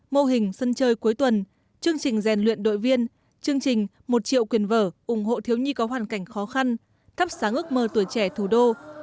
mô hình sân chơi cuối tuần chương trình rèn luyện đội viên chương trình một triệu quyền vở ủng hộ thiếu nhi có hoàn cảnh khó khăn thắp sáng ước mơ tuổi trẻ thủ đô tiếp tục được triển khai hiệu quả và rộng khắp trên địa bàn thành phố